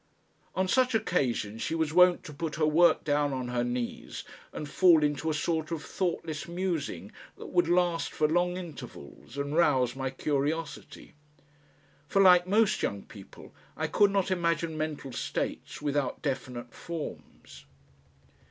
On such occasions she was wont to put her work down on her knees and fall into a sort of thoughtless musing that would last for long intervals and rouse my curiosity. For like most young people I could not imagine mental states without definite forms.